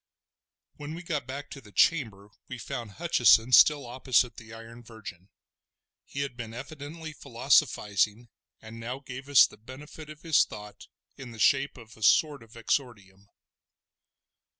When we got back to the chamber we found Hutcheson still opposite the Iron Virgin; he had been evidently philosophising, and now gave us the benefit of his thought in the shape of a sort of exordium.